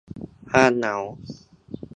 ความเหงา